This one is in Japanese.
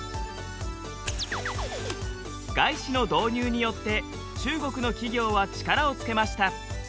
外資の導入によって中国の企業は力をつけました。